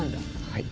はい。